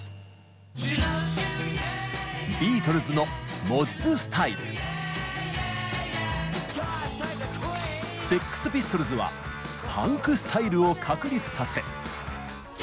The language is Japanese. ビートルズのセックス・ピストルズはパンクスタイルを確立させ。